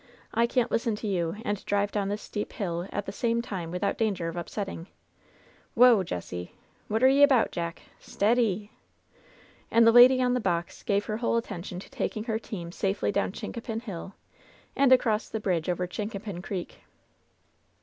I can^t listen to you and drive down this steep hill at the same time without danger of upsetting I Whoa, Jessie I What y're 'bout. Jack ? Stea— dee !" And the lady on the box gave her whole attention to taking her team safely down Chincapin Hill and across the bridge over Chincapin Creek.